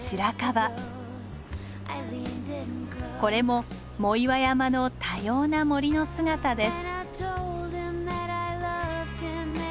これも藻岩山の多様な森の姿です。